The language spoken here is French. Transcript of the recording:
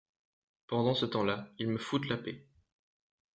Pendant ce temps-là, ils me foutent la paix.